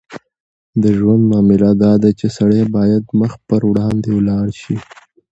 د ژوند معامله داده چې سړی باید مخ پر وړاندې ولاړ شي.